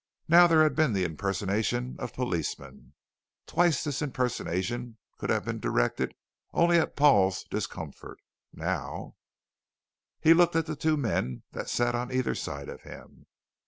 Now there had been the impersonation of policemen. Twice this impersonation could have been directed only at Paul's discomfort. Now He looked at the two men that sat on either side of him.